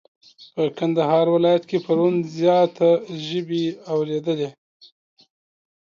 په کندهار ولايت کي پرون زياته ژبی اوريدلې.